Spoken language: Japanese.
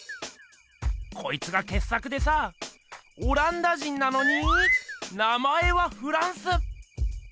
こいつがけっ作でさオランダ人なのに名前はフランス！